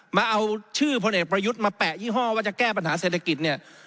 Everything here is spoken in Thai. มาเอาชื่อพลเอกประยุทธ์มาแปะยี่ห้อว่าจะแก้ปัญหาเศรษฐกิจเนี่ย